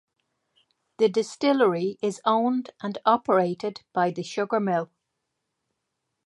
The distillery is owned and operated by the sugar mill.